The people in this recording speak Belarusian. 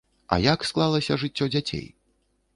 А як склалася жыццё дзяцей?